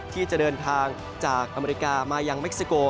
ที่จะเดินทางจากอเมริกามายังเม็กซิโก